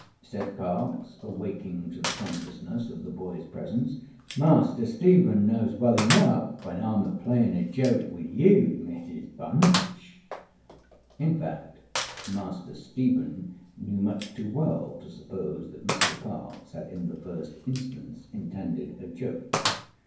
ŌĆØ said Parkes, awaking to the consciousness of the boyŌĆÖs presence. ŌĆ£Master Stephen knows well enough when IŌĆÖm a playing a joke with you, Mrs Bunch.ŌĆØ In fact, Master Stephen knew much too well to suppose that Mr Parkes had in the first instance intended a joke.